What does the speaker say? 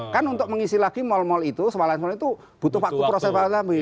kan untuk mengisi lagi mall mall itu semalanya semalanya itu butuh waktu